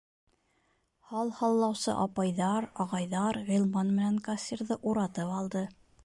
Һал һаллаусы апайҙар, ағайҙар Ғилман менән кассирҙы уратып алды.